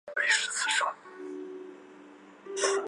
拉尼利。